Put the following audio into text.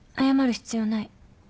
謝る必要ない。